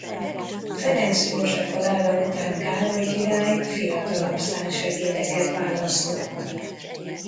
Ferenc József halála után Károly király fiatalabb szárnysegédeket választott.